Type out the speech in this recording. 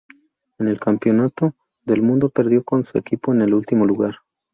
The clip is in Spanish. En el Campeonato del Mundo perdió con su equipo en el último lugar.